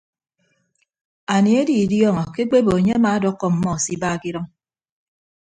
Anie edidiọọñọ ke ekpebo ke enye amaadọkkọ ọmmọ se iba ke idʌñ.